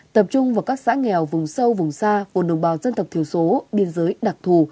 tập trung vào các xã nghèo vùng sâu vùng xa vùng đồng bào dân tộc thiểu số biên giới đặc thù